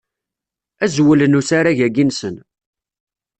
Azwel n usarag-agi-nsen.